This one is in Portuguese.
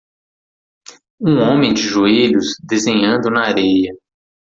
um homem de joelhos desenhando na areia